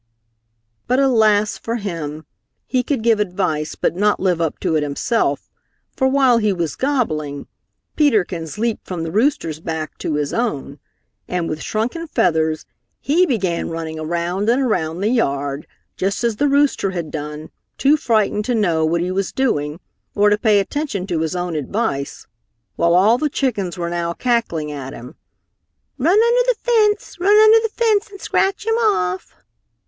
But alas, for him! He could give advice, but not live up to it himself, for while he was gobbling, Peter Kins leaped from the rooster's back to his own, and with shrunken feathers, he began running around and around the yard, just as the rooster had done, too frightened to know what he was doing, or to pay attention to his own advice, while all the chickens were now cackling at him, "Run under the fence! Run under the fence and scratch him off!"